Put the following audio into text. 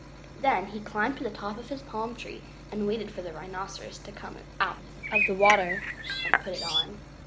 Then he climbed to the top of his palm tree and waited for the Rhinoceros to come out of the water and put it on.